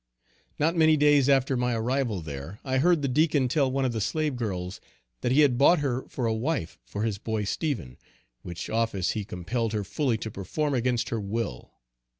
Not many days after my arrival there, I heard the Deacon tell one of the slave girls, that he had bought her for a wife for his boy Stephen, which office he compelled her fully to perform against her will.